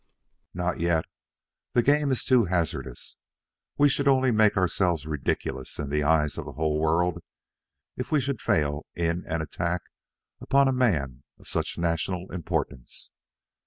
"Not yet. The game is too hazardous. We should only make ourselves ridiculous in the eyes of the whole world if we should fail in an attack upon a man of such national importance.